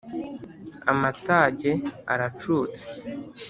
Amatage aracutse